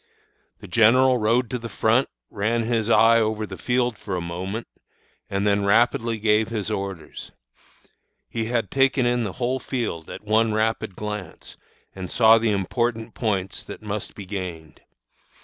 "The general rode to the front, ran his eye over the field for a moment, and then rapidly gave his orders. He had taken in the whole field at one rapid glance, and saw the important points that must be gained.